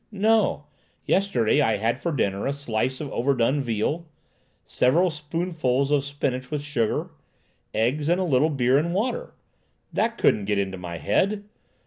No; yesterday I had for dinner a slice of overdone veal, several spoonfuls of spinach with sugar, eggs, and a little beer and water,—that couldn't get into my head!